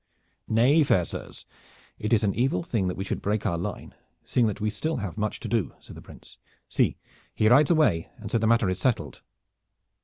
"Nay, fair sirs, it is an evil thing that we should break our line, seeing that we still have much to do," said the Prince. "See! he rides away, and so the matter is settled."